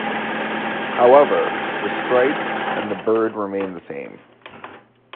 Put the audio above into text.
However, the stripes and the "bird" remain the same.